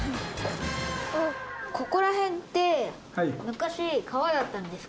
ここら辺って昔川だったんですか？